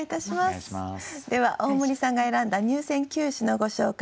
では大森さんが選んだ入選九首のご紹介。